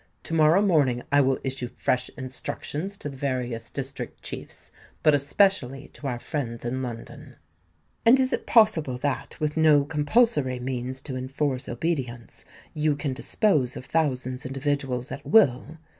To morrow morning I will issue fresh instructions to the various district chiefs, but especially to our friends in London." "And is it possible that, with no compulsory means to enforce obedience, you can dispose of thousands individuals at will?"